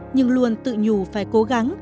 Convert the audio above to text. nhưng luôn tự nhủ phải cố gắng